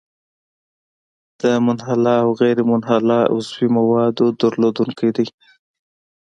د منحله او غیرمنحله عضوي موادو درلودونکی دی.